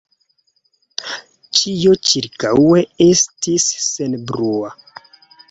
Ĉio ĉirkaŭe estis senbrua.